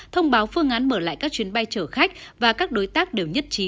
thông báo phương án mở lại các chuyến bay chở khách và các đối tác đều nhất trí